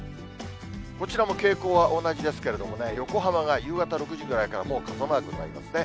こちらも傾向は同じですけれども、横浜が夕方６時ぐらいからもう傘マークになりますね。